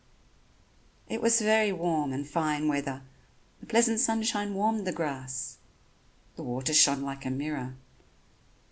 It was very warm and fine weather. The pleasant sunshine warmed the grass. The water shone like a mirror.